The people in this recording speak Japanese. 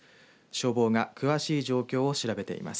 消防が詳しい状況を調べています。